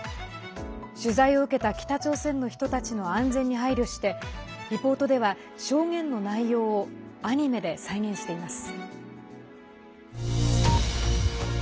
取材を受けた北朝鮮の人たちの安全に配慮してリポートでは証言の内容をアニメで再現しています。